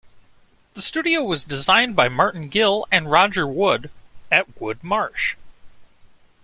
The studio was designed by Martin Gill and Roger Wood at Wood Marsh.